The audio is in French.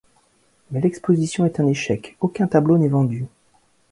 Mais l'exposition est un échec, aucun tableau n'est vendu.